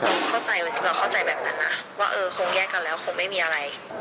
เราเข้าใจแบบนั้นนะว่าเออคงแยกกันแล้วคงไม่มีอะไร